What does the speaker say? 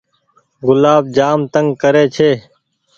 گلآب جآم تنگ ڪري ڇي۔